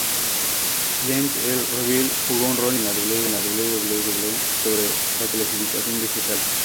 James L. Reveal jugó un rol importante en la www sobre la clasificación vegetal.